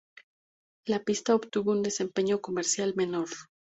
La pista obtuvo un desempeño comercial menor.